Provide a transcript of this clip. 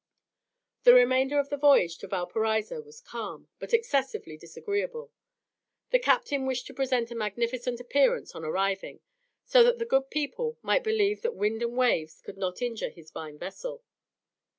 The remainder of the voyage to Valparaiso was calm, but excessively disagreeable. The captain wished to present a magnificent appearance on arriving, so that the good people might believe that wind and waves could not injure his fine vessel.